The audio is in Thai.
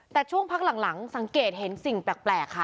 แต่ช่วงพักหลังสังเกตเห็นสิ่งแปลกค่ะ